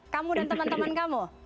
kamu dan teman teman kamu